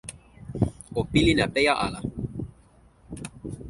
o pilin apeja ala!